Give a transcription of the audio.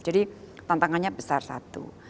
jadi tantangannya besar satu